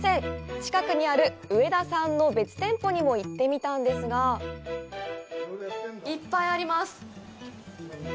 近くにある、うえ田さんの別店舗にも行ってみたんですがいっぱいあります。